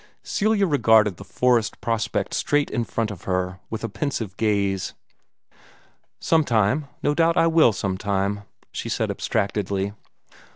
Celia regarded the forest prospect straight in front of her with a pensive gaze. "Sometime no doubt I will sometime," she said abstractedly.